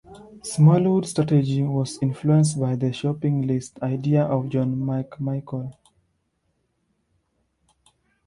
Smallwoods' strategy was influenced by the "shopping list" idea of John McMichael.